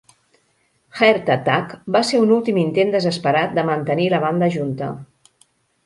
"Heart Attack" va ser un últim intent desesperat de mantenir la banda junta.